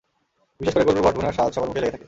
বিশেষ করে গরুর বট ভুনার স্বাদ সবার মুখেই লেগে থাকে।